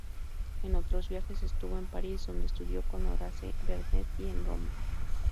En otros viajes estuvo en París, donde estudió con Horace Vernet y en Roma.